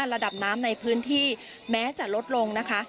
ระดับน้ำในพื้นที่แม้จะลดลงนะคะ